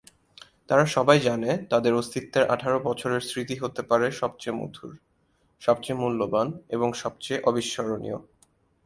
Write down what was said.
তারা সবাই জানে, তাদের অস্তিত্বের আঠারো বছরের স্মৃতি হতে পারে সবচেয়ে মধুর, সবচেয়ে মূল্যবান এবং সবচেয়ে অবিস্মরণীয়।